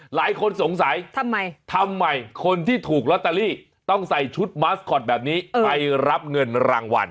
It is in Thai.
หลายคนสงสัยทำไมทำไมคนที่ถูกลอตเตอรี่ต้องใส่ชุดมาสคอตแบบนี้ไปรับเงินรางวัล